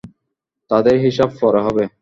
তাদের হিসাব পরে হবে।